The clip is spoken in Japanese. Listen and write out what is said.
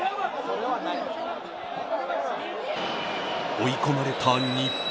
追い込まれた日本。